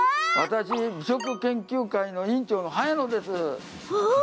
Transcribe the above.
私、美食研究会の委員長の早野です。